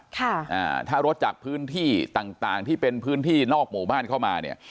ค่ะอ่าถ้ารถจากพื้นที่ต่างต่างที่เป็นพื้นที่นอกหมู่บ้านเข้ามาเนี่ย